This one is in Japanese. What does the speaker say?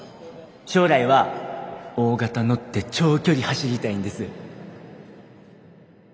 将来は大型乗って長距離走りたいんです。